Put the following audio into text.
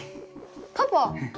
パパ。